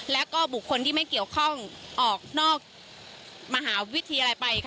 แล้วก็บุคคลที่ไม่เกี่ยวข้องออกนอกมหาวิทยาลัยไปค่ะ